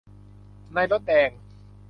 ในรถแดง